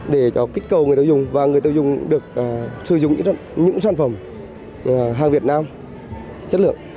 để cho kích cầu người tiêu dùng và người tiêu dùng được sử dụng những sản phẩm hàng việt nam chất lượng